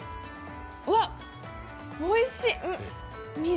わっ、おいしい、水！